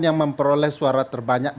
yang memperoleh suara terbanyak